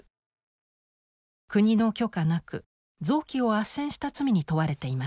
国の許可なく臓器をあっせんした罪に問われています。